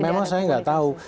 memang saya tidak tahu